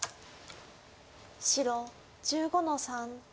白１５の三。